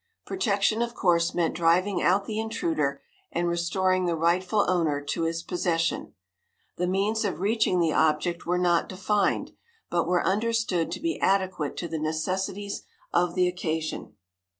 Protection, of course, meant driving out the intruder and restoring the rightful owner to his possession. The means of reaching the object were not defined, but were understood to be adequate to the necessities of the occasion.